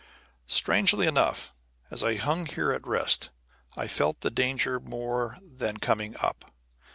Strangely enough, as I hung here at rest I felt the danger more than coming up.